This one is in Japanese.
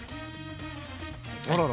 あらら。